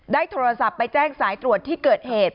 ได้โทรศัพท์ไปแจ้งสายตรวจที่เกิดเหตุ